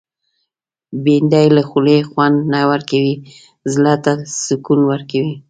بېنډۍ له خولې خوند نه ورکوي، زړه ته سکون ورکوي